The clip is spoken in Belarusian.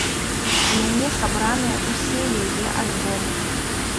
У мяне сабраныя ўсе яе альбомы.